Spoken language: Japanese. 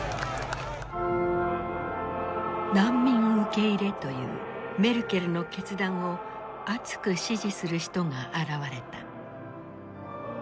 難民受け入れというメルケルの決断を熱く支持する人が現れた。